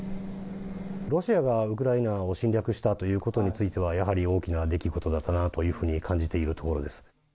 ロシアがウクライナを侵略したということについては、やはり大きな出来事だったかなと感じているところです。